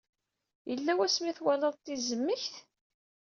Yella wasmi twalaḍ tizmekt?